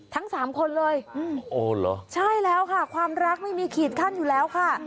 ทั้งสามคนเลยโอ้เหรอใช่แล้วค่ะความรักไม่มีขีดขั้นอยู่แล้วค่ะ